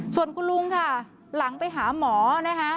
ส่วนคุณลุงค่ะหลังไปหาหมอนะคะ